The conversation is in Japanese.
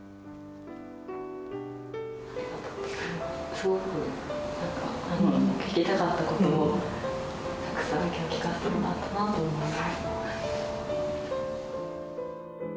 すごくなんか聞きたかったことをたくさん今日聞かせてもらったなと思います。